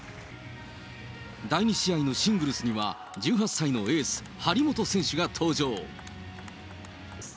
第２試合のシングルスには１８歳のエース、張本選手が登場。